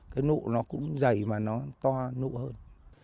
cái nụ nó cũng dày mà nó to nụ hơn